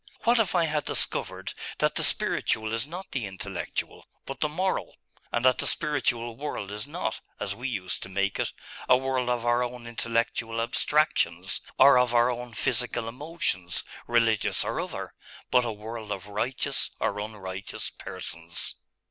What if I had discovered that the spiritual is not the intellectual, but the moral; and that the spiritual world is not, as we used to make it, a world of our own intellectual abstractions, or of our own physical emotions, religious or other, but a world of righteous or unrighteous persons?